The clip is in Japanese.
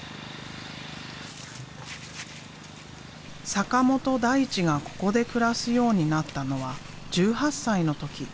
坂本大知がここで暮らすようになったのは１８歳の時。